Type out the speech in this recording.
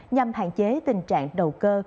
nhằm hạn chế tình trạng đầu cơ